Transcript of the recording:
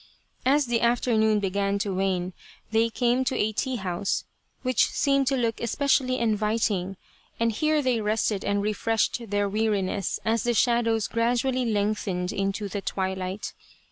As the afternoon began to wane they came to a tea house, which seemed to look especially inviting, and here they rested and refreshed their weariness as the shadows gradually lengthened into the twilight.